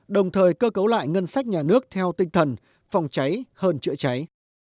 đồng thời cơ cấu lại ngân sách nhà nước theo tinh thần phòng cháy hơn chữa cháy